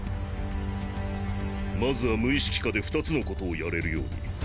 まずは無意識下で２つの事をやれるように。